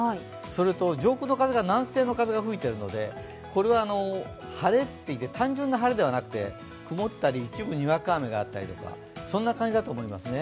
それと上空の風が南西に吹いているのでこれは単純な晴れではなくて曇ったり一部にわか雨があったりとかそんな感じだと思いますね。